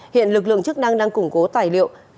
hiện lực lượng chức năng đang củng cố tài liệu của quán ba grammy